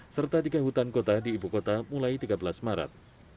serta tiga hutan kota di ibu kota mulai tiga belas maret